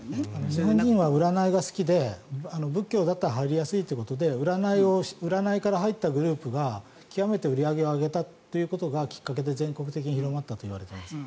日本人は占いが好きで仏教だったら入りやすいということで占いから入ったグループが極めて売り上げを上げたということがきっかけで、全国的に広まったといわれています。